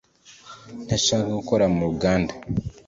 Ntashaka gukora mu ruganda.